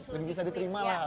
lebih bisa diterima lah